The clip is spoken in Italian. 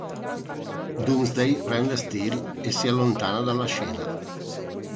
Doomsday prende Steel e si allontana dalla scena.